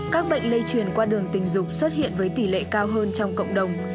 các bệnh lây truyền qua đường tình dục xuất hiện với tỷ lệ cao hơn trong cộng đồng